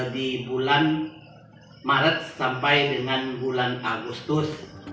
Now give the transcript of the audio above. di bulan maret sampai dengan bulan agustus